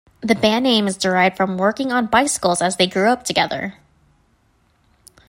The band name is derived from working on bicycles as they grew up together.